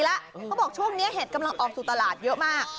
เขาบอกช่วงนี้เห็ดกำลังออกสู่ตลาดเยอะมาก